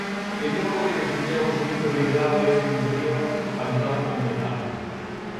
E logo de que Santiago asumise o liderado desa iniciativa, faltaba concretala.